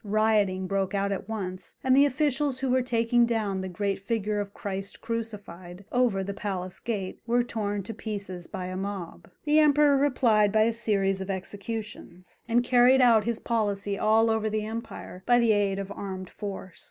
Rioting broke out at once, and the officials who were taking down the great figure of Christ Crucified, over the palace gate, were torn to pieces by a mob. The Emperor replied by a series of executions, and carried out his policy all over the empire by the aid of armed force.